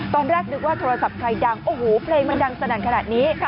ตอนแรกนึกว่าโทรศัพท์ใครดังโอ้โหเพลงมันดังสนั่นขนาดนี้